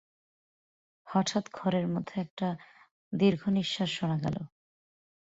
হঠাৎ ঘরের মধ্যে একটা দীর্ঘনিশ্বাস শুনা গেল।